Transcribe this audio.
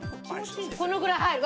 このぐらい入る。